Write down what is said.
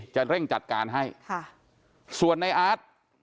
จะเร่งจัดการให้ค่ะส่วนในอาร์ต